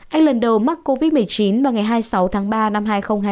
anh lần đầu mắc covid một mươi chín vào ngày hai mươi sáu tháng ba năm hai nghìn hai mươi